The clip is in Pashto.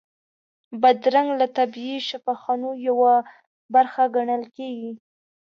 بادرنګ له طبیعي شفاخانو یوه برخه ګڼل کېږي.